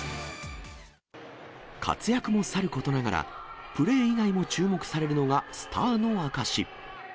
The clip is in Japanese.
活躍もさることながら、プレー以外も注目されるのがスターの証し。